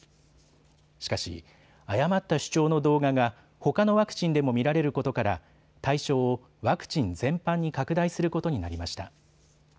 しかし誤った主張の動画がほかのワクチンでも見られることから対象をワクチン全般に拡大することになりました。